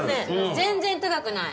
全然高くない。